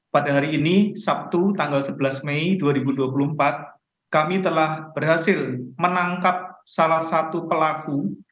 pada hari ini sabtu tanggal sebelas mei dua ribu dua puluh empat kami telah berhasil menangkap salah satu pelaku